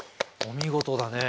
お見事だね。